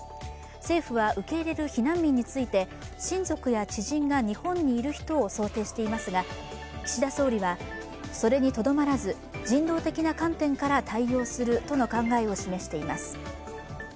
政府は受け入れる避難民について親族や知人が日本にいる人を想定していますが、岸田総理は、それにとどまらず人道的な観点から対応するとの考えを示しています。